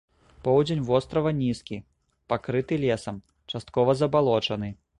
Поўдзень вострава нізкі, пакрыты лесам, часткова забалочаны.